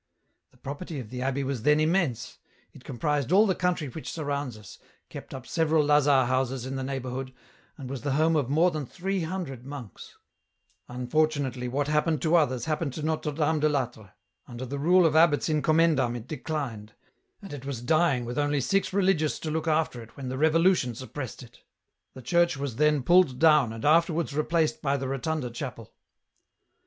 *' The property of the abbey was then immense ; it comprised all the country which surrounds us, kept up several lazar houses in the neighbourhood, and was the home of more than three hundred monks. Unfortunately what happened to others happened to Notre Dame de I'Atre. Under the rule of abbots in commendam it declined, and it was dying with only six religious to look after it when the Revolution suppressed it. The church was then pulled down and afterwards replaced by the rotunda chapel.